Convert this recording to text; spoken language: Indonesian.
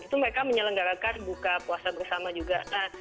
itu mereka menyelenggarakan buka puasa bersama juga